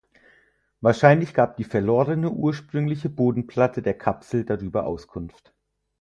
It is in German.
Wahrscheinlich gab die verlorene ursprüngliche Bodenplatte der Kapsel darüber Auskunft.